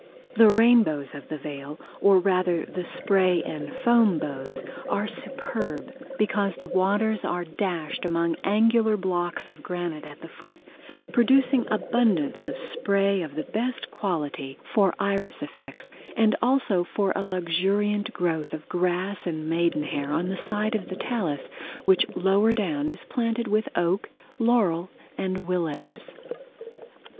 The rainbows of the Veil, or rather the spray and foam bows, are superb, because the waters are dashed among angular blocks of granite at the foot, producing abundance of spray of the best quality for iris effects, and also for a luxuriant growth of grass and maiden hair on the side of the talus, which lower down is planted with oak, laurel and willows.